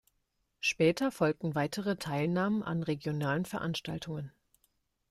Später folgten weitere Teilnahmen an regionalen Veranstaltungen.